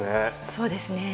そうですね。